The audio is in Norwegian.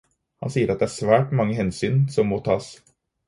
Han sier at det er svært mange hensyn som må tas.